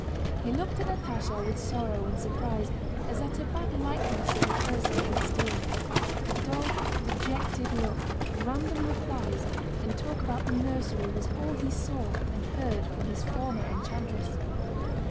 He looked at Natásha with sorrow and surprise as at a bad likeness of a person once dear. A dull, dejected look, random replies, and talk about the nursery was all he saw and heard from his former enchantress.